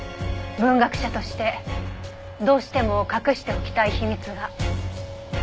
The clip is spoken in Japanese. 文学者としてどうしても隠しておきたい秘密が。